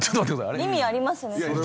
意味ありますねそれ。